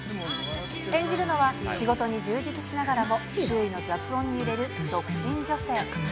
演じるのは、仕事に充実しながらも、周囲の雑音に揺れる独身女性。